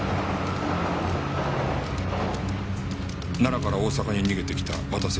奈良から大阪に逃げてきた綿瀬